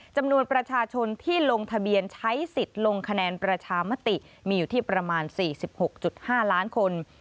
จำนวนประชาชนที่ลงทะเบียนใช้สิทธิ์ลงคะแนนประชามติมีอยู่ที่ประมาณ๔๖๕ล้านคน